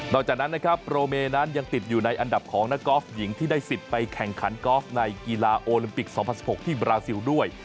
จากนั้นนะครับโปรเมนั้นยังติดอยู่ในอันดับของนักกอล์ฟหญิงที่ได้สิทธิ์ไปแข่งขันกอล์ฟในกีฬาโอลิมปิก๒๐๑๖ที่บราซิลด้วย